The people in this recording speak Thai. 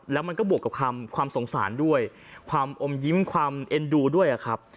แล้วมันก็บวกกับความสงสารด้วยความอมยิ้มความเอ็นดูด้วยครับ